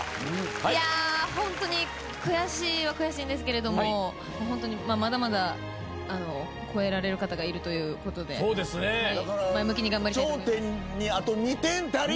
いやホントに悔しいは悔しいんですけれどもまだまだ超えられる方がいるということで前向きに頑張りたいと思います。